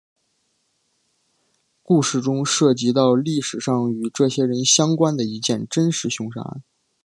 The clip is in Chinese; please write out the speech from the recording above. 故事中涉及到历史上与这些人相关的一件真实凶杀案。